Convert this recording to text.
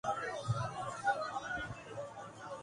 تو اس کی وجہ یہی ہے۔